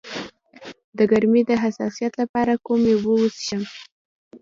د ګرمۍ د حساسیت لپاره کومې اوبه وڅښم؟